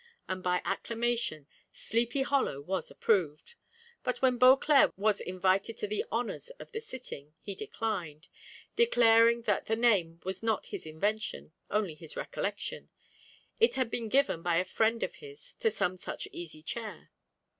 and by acclamation "Sleepy hollow" was approved; but when Beauclerc was invited to the honours of the sitting, he declined, declaring that the name was not his invention, only his recollection; it had been given by a friend of his to some such easy chair.